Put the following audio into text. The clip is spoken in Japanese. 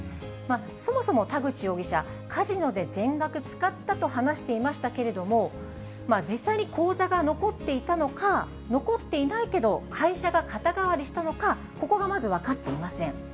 そもそも田口容疑者、カジノで全額使ったと話していましたけれども、実際に口座が残っていたのか、残っていないけど会社が肩代わりしたのか、ここがまず分かっていません。